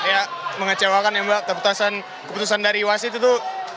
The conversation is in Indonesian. ya mengecewakan ya mbak terputus asan keputusan dari iwas itu tuh